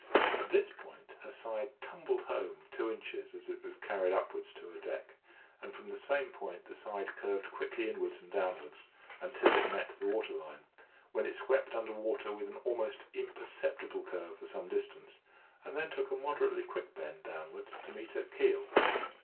At this point her side tumbled home two inches as it was carried upwards to her deck, and from the same point the side curved quickly inwards and downwards until it met the water line, when it swept under water with an almost imperceptible curve for some distance, and then took a moderately quick bend downwards to meet her keel.